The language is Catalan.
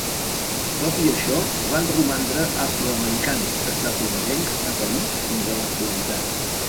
Tot i això, van romandre afroamericans estatunidencs a París fins a l'actualitat.